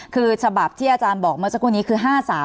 คือฉบับที่อาจารย์บอกเมื่อสักครู่นี้คือ๕๓